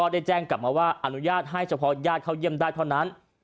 ได้แจ้งกลับมาว่าอนุญาตให้เฉพาะญาติเข้าเยี่ยมได้เท่านั้น